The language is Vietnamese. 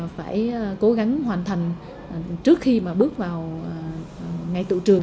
phải cố gắng hoàn thành trước khi mà bước vào ngày tụ trường